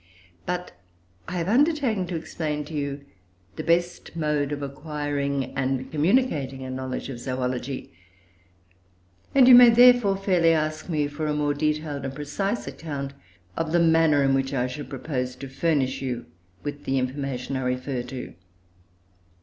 But I have undertaken to explain to you the best mode of acquiring and communicating a knowledge of zoology, and you may therefore fairly ask me for a more detailed and precise account of the manner in which I should propose to furnish you with the information I refer to.